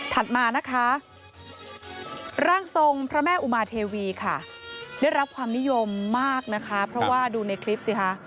มานะคะร่างทรงพระแม่อุมาเทวีค่ะได้รับความนิยมมากนะคะเพราะว่าดูในคลิปสิคะ